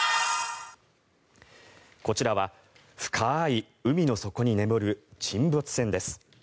こちらは深い海の底に眠る沈没船です。